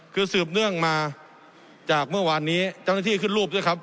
คือสืบเนื่องมาจากเมื่อวานนี้เจ้าหน้าที่ขึ้นรูปด้วยครับ